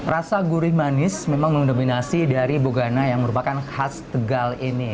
rasa gurih manis memang mendominasi dari bogana yang merupakan khas tegal ini